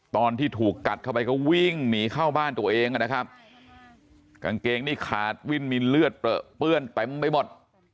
ตอนที่ถูกกัดเข้าไปก็วิ่งหนีเข้าบ้านตัวเองนะครับกางเกงนี่ขาดวิ่นมีเลือดเปลือเปื้อนเต็มไปหมด